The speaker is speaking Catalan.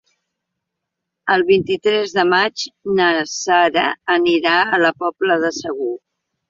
El vint-i-tres de maig na Sara anirà a la Pobla de Segur.